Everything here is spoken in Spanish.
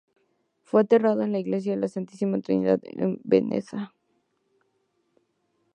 Fue enterrado en la iglesia de la Santísima Trinidad en Venosa.